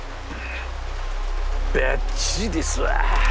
ばっちりですわ。